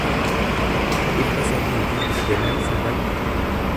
dhibba sadii fi digdamii sagal